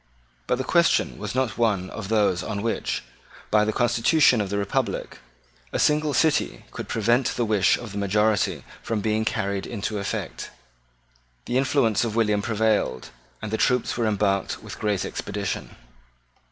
But the question was not one of those on which, by the constitution of the republic, a single city could prevent the wish of the majority from being carried into effect. The influence of William prevailed; and the troops were embarked with great expedition.